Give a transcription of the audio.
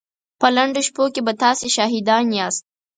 په لنډو شپو کې به تاسې شاهدان ياست.